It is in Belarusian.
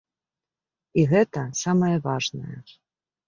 І гэта самае важнае.